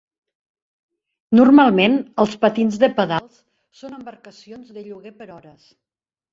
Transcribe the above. Normalment els patins de pedals són embarcacions de lloguer per hores.